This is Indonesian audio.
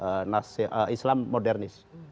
paling kanan itu adalah islam modernis